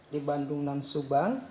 di bandung dan subang